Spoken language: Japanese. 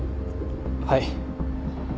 はい。